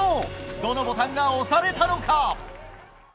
どのボタンが押されたのか。